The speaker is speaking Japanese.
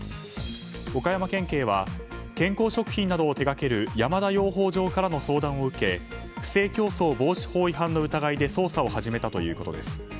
岡山県警は健康食品などを手掛ける山田養蜂場からの相談を受け不正競争防止法違反の疑いで捜査を始めたということです。